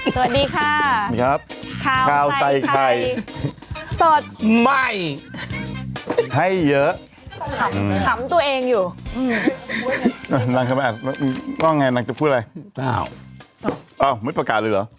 สวัสดีค่ะคราวใจไทยสดไหมให้เยอะขำตัวเองอยู่นางจะพูดอะไรไม่ประกาศเลยเหรอ